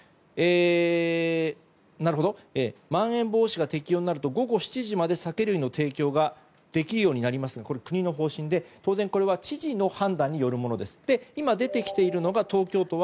まん延防止が適用になると午後７時まで酒類の提供ができるようになりますがこれは国の方針で当然、これは知事の判断によるものです。